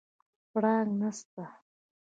پړانګ نسته